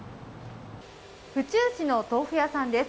府中市の豆腐屋さんです。